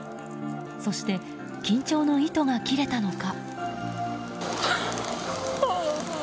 そして緊張の糸が切れたのか。